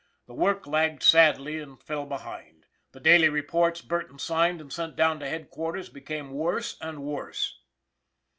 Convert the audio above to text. The work lagged sadly and fell behind. The daily reports Burton signed and sent down to headquarters be came worse and worse.